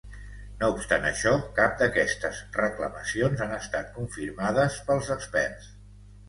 No obstant això, cap d'aquestes reclamacions han estat confirmades pels experts.